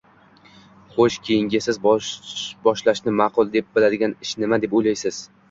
xoʻsh, keyingi siz boshlashni maʼqul deb biladigan ish nima deb oʻylaysiz.